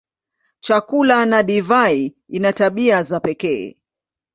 Chakula na divai ina tabia za pekee.